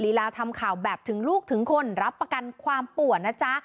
ลาทำข่าวแบบถึงลูกถึงคนรับประกันความป่วนนะจ๊ะ